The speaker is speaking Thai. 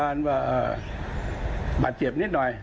แล้วก็มีการว่าบาดเจ็บนิดหน่อย